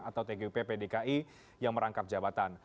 atau tgupp dki yang merangkap jabatan